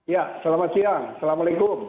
ya selamat siang assalamualaikum